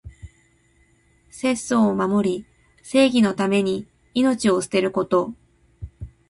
節操を守り、正義のために命を捨てること。